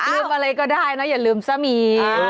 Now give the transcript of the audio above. อะไรก็ได้นะอย่าลืมซะมี